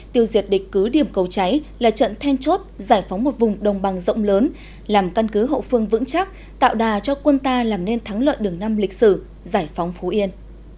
tiêu diệt địch cứ điểm cầu cháy là trận then chốt giải phóng một vùng đồng bằng rộng lớn làm căn cứ hậu phương vững chắc tạo đà cho quân ta làm nên thắng lợi đường năm lịch sử giải phóng phú yên